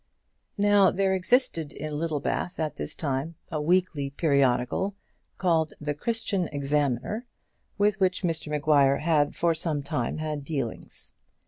Now there existed in Littlebath at this time a weekly periodical called the Christian Examiner, with which Mr Maguire had for some time had dealings.